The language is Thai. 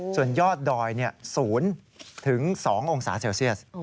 ส่วนยอดดอย๐๒องศาเซลเซียส